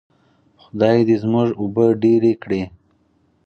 خدای دې زموږ اوبه ډیرې کړي.